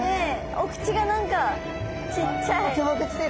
お口が何かちっちゃい。